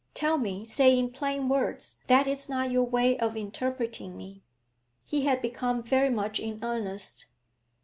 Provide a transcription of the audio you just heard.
Tell me, say in plain words that is not your way of interpreting me.' He had become very much in earnest.